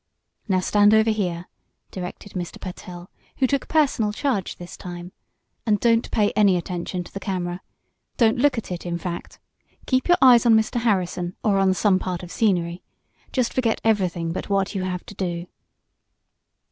"Now stand over here," directed Mr. Pertell, who took personal charge this time, "and don't pay any attention to the camera. Don't look at it, in fact. Keep your eyes on Mr. Harrison, or on some part of scenery. Just forget everything but what you have to do."